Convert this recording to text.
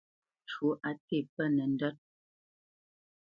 Mbwâ ŋo məshwɔ̌ á té pə nəndwə́t.